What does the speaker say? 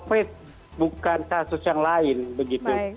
karena itu kasus covid bukan kasus yang lain begitu